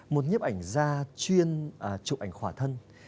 một nhiếp ảnh da chuyên chụp ảnh khỏa thân